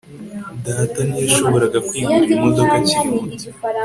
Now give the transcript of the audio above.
Data ntiyashoboraga kwigurira imodoka akiri muto